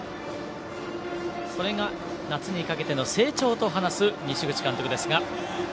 それが夏にかけての成長と話す西口監督ですが。